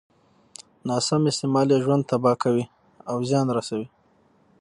ناسم استعمال يې ژوند تباه کوي او زيان رسوي.